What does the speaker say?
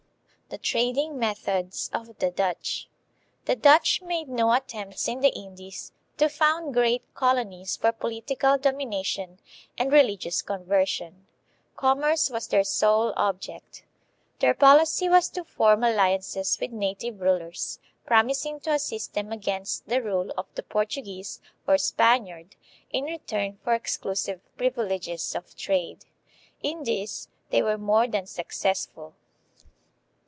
The Trading Methods of the Dutch. The Dutch made no attempts in the Indies to found great colonies for po litical domination and religious conversion. Commerce was their sole object. Their policy was to form alliances with native rulers, promising to assist them against the rule of the Portuguese or Spaniard in return for exclu sive privileges of trade. In this they were more than suc cessful.